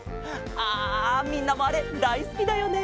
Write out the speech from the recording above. ああみんなもあれだいすきだよね？